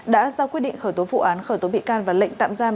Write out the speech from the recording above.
đã ra quyết định khởi tố vụ án khởi tố bị can và lệnh tạm giam